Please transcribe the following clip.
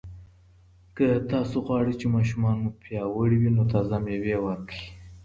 که تاسو غواړئ چې ماشومان مو پیاوړي وي، نو تازه مېوه ورکړئ.